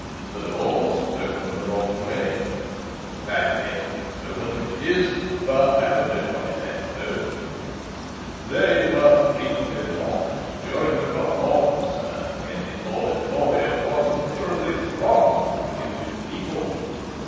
The doors opened the wrong way I forget at this moment which it is, but have a note of it at home; they were frequently locked during the performance, and when the auditorium was literally thronged with English people.